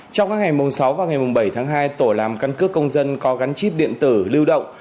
trong các ngày mùng sáu và ngày mùng bảy tháng hai tổ làm căn cước công dân có gắn chip điện tử lưu động